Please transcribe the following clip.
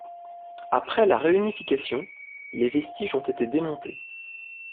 Après la réunification, les vestiges ont été démontés.